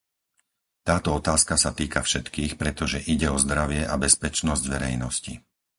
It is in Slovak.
Táto otázka sa týka všetkých, pretože ide o zdravie a bezpečnosť verejnosti.